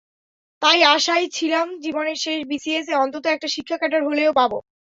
তাই আশায় ছিলাম, জীবনের শেষ বিসিএসে অন্তত একটা শিক্ষা ক্যাডার হলেও পাব।